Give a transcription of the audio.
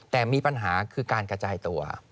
แต่มีปัญหาคือการกระจายตัว